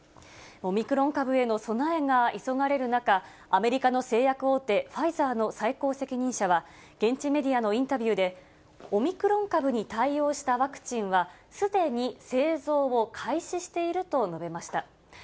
オミクロン株への備えが急がれる中、アメリカの製薬大手、ファイザーの最高責任者は、現地メディアのインタビューで、オミクロン株に対応したワクチンは、すでに製造を開始していると述べました。